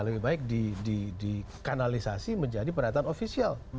lebih baik di kanalisasi menjadi pernyataan ofisial